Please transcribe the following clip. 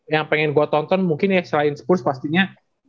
yang pengen gue tonton mungkin ya selain spurs pastinya